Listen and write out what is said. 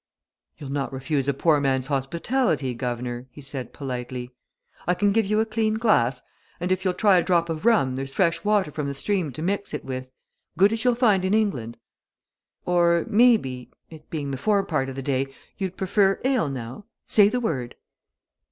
"You'll not refuse a poor man's hospitality, guv'nor?" he said politely. "I can give you a clean glass, and if you'll try a drop of rum, there's fresh water from the stream to mix it with good as you'll find in England. Or, maybe, it being the forepart of the day, you'd prefer ale, now? Say the word!"